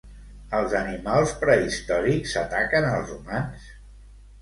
Els animals prehistòrics ataquen als humans?